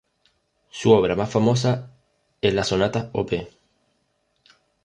Su obra más famosa es la sonata, Op.